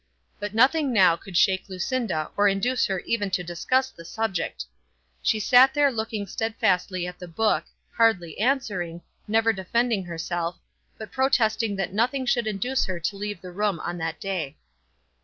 But nothing now could shake Lucinda or induce her even to discuss the subject. She sat there looking steadfastly at the book, hardly answering, never defending herself, but protesting that nothing should induce her to leave the room on that day.